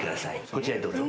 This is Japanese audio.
こちらへどうぞ。